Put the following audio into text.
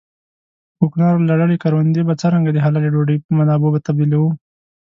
په کوکنارو لړلې کروندې به څرنګه د حلالې ډوډۍ په منابعو تبديلوو.